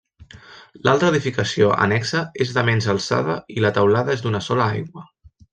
L'altra edificació annexa és de menys alçada i la teulada és d'una sola aigua.